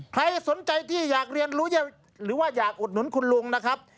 ใครสนใจที่อยากเรียนรู้หรือว่าอยากอุดหนุนคุณลุงนะครับ